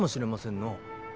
のう